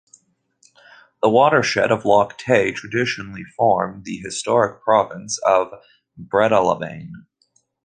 The watershed of Loch Tay traditionally formed the historic province of Breadalbane.